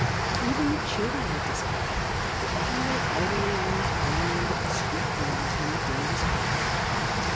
Even the children were discontented, and lay idly on the ground at the street comers when the day was hot.